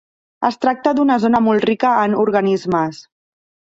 Es tracta d'una zona molt rica en organismes.